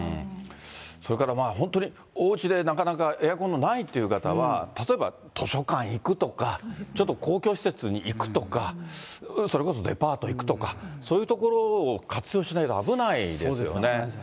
それからまあ、本当におうちでなかなかエアコンがないという方は、例えば図書館行くとか、ちょっと公共施設に行くとか、それこそデパート行くとか、そういう所を活用しないと危ないですよね。